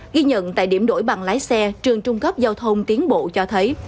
ghi nhận tại điểm đổi bằng lái xe trường trung cấp giao thông tiến bộ cho thấy